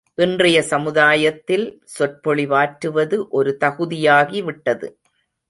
இன்றைய சமுதாயத்தில் சொற்பொழிவாற்றுவது ஒரு தகுதியாகிவிட்டது.